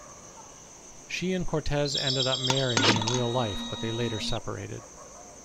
She and Cortez ended up marrying in real life, but they later separated.